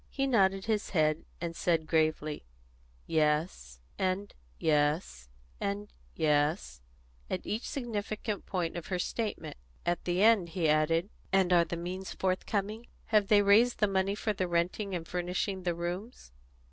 He nodded his head, and said gravely, "Yes," and "Yes," and "Yes," at each significant point of her statement. At the end he asked: "And are the means forthcoming? Have they raised the money for renting and furnishing the rooms?"